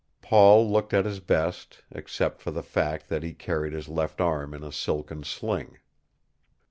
Paul looked at his best, except for the fact that he carried his left arm in a silken sling.